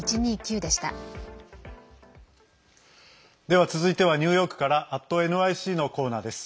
では続いてはニューヨークから「＠ｎｙｃ」のコーナーです。